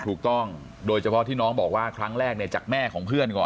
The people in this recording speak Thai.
ถูกต้องโดยเฉพาะที่น้องบอกว่าครั้งแรกเนี่ยจากแม่ของเพื่อนก่อน